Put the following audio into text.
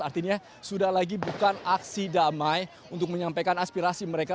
artinya sudah lagi bukan aksi damai untuk menyampaikan aspirasi mereka